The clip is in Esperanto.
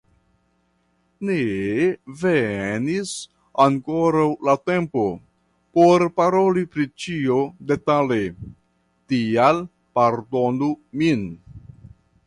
Ne venis ankoraŭ la tempo, por paroli pri ĉio detale, tial pardonu min.